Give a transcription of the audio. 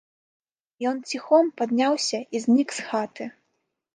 Ён ціхом падняўся і знік з хаты.